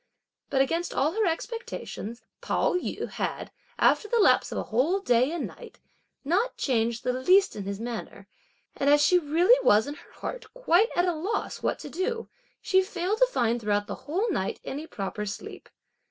But against all her expectations Pao yü had, after the lapse of a whole day and night, not changed the least in his manner, and as she really was in her heart quite at a loss what to do, she failed to find throughout the whole night any proper sleep.